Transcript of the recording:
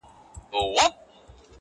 ما د جهاني په لاس امېل درته پېیلی وو -